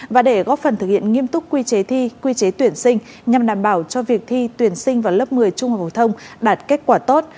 và để góp phần thực hiện nghiêm túc quy chế thi quy chế tuyển sinh nhằm đảm bảo cho việc thi tuyển sinh vào lớp một mươi trung học phổ thông đạt kết quả tốt